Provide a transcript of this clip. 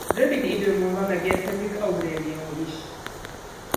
Rövid idő múlva megérkezik Aurelio is.